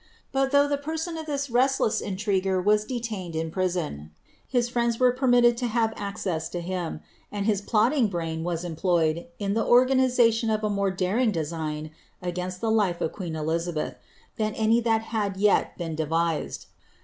iut though the person of this restless intriguer was detained in j)rison, lis friends were permitted to have access to him; and his plotting brain ras employed in the organization of a more daring design against the ife of queen Elizabeth than any that had yet been devised.